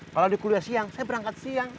kalo ada kuliah siang saya berangkat siang